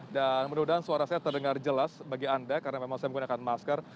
dan semoga suara saya terdengar jelas bagi anda karena memang saya menggunakan masker